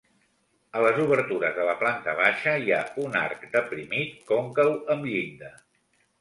A les obertures de la planta baixa hi ha un arc deprimit còncau amb llinda.